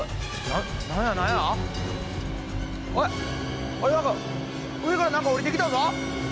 あれ何か上から何か下りてきたぞ。